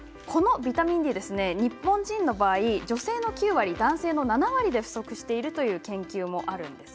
日本人の場合、女性の９割男性の７割で不足しているという研究もあります。